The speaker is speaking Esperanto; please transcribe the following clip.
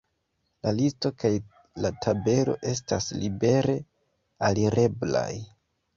La listo kaj la tabelo estas libere alireblaj.